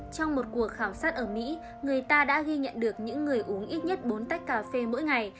trong một cuộc khảo sát ở mỹ người ta đã ghi nhận được những người uống ít nhất bốn tách cà phê mỗi ngày